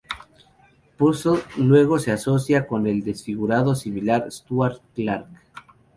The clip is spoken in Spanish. Puzzle luego se asocia con el desfigurado similar Stuart Clarke.